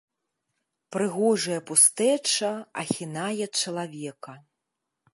Прыгожая пустэча ахінае чалавека.